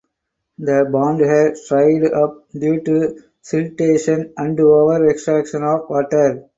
The pond has dried up due to siltation and over extraction of water.